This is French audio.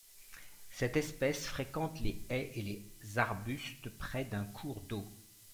Cette espèce fréquente les haies et les arbustes près d'un cours d'eau.